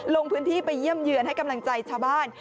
ลงพื้นที่ไปเยี่ยมเยือนให้กำลังใจชาวบ้าน